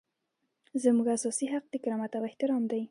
زموږ اساسي حق د کرامت او احترام دی.